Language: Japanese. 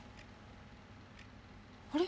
あれ？